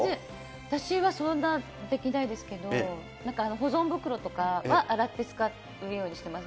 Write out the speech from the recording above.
私はそんなできないですけど、なんか保存袋とかは、洗って使うようにしています。